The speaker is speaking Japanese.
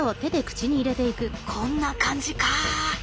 こんな感じか！